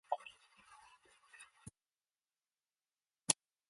Alexander the First returned him to Saint Petersburg as a senator.